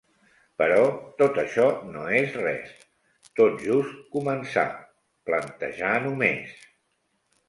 Però tot això no és res, tot just començar, plantejar només.